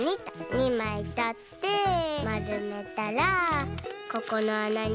２まいとってまるめたらここのあなにいれます。